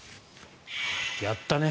やったね。